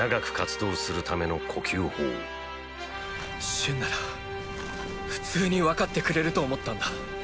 駿なら普通にわかってくれると思ったんだ。